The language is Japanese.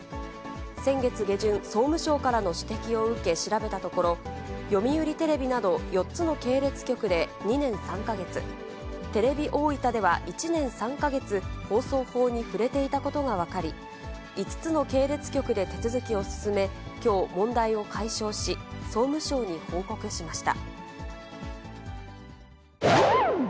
先月下旬、総務省からの指摘を受け調べたところ、読売テレビなど４つの系列局で２年３か月、テレビ大分では１年３か月、放送法に触れていたことが分かり、５つの系列局で手続きを進め、きょう、問題を解消し、総務省に報告しました。